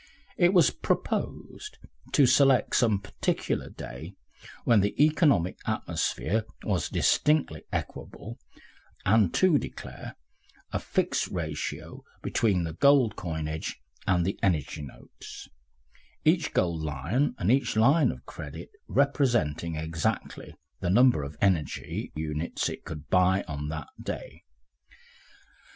It was proposed to select some particular day when the economic atmosphere was distinctly equable, and to declare a fixed ratio between the gold coinage and the energy notes; each gold Lion and each Lion of credit representing exactly the number of energy units it could buy on that day.